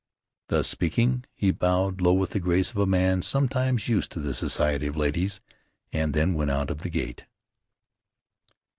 Thus speaking, he bowed low with the grace of a man sometimes used to the society of ladies, and then went out of the gate.